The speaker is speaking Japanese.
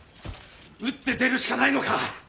打って出るしかないのか！